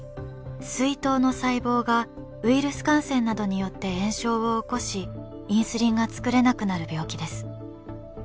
膵島の細胞がウイルス感染などによって炎症を起こしインスリンが作れなくなる病気です。